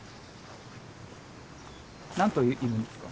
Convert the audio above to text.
何頭いるんですか？